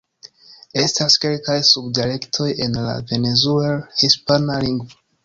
Estas kelkaj sub-dialektoj en la Venezuel-hispana lingvo.